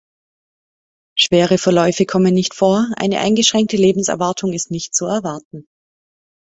Schwere Verläufe kommen nicht vor, eine eingeschränkte Lebenserwartung ist nicht zu erwarten.